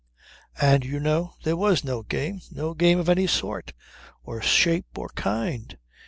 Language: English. And, you know, there was no game, no game of any sort, or shape or kind.